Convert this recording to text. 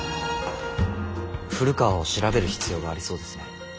古川を調べる必要がありそうですね。